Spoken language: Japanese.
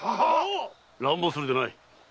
乱暴するでない。